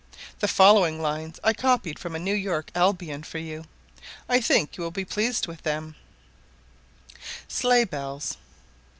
The following lines I copied from the New York Albion for you; I think you will be pleased with them: SLEIGH BELLS.